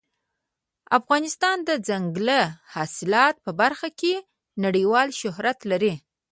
افغانستان د دځنګل حاصلات په برخه کې نړیوال شهرت لري.